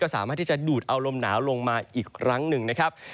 สามารถที่จะดูดเอาลมหนาวลงมาอีกครั้งหนึ่งนะครับ